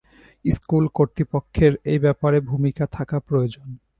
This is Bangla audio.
স্কুল কর্তৃপক্ষেরও এ ব্যাপারে ভূমিকা থাকা প্রয়োজন।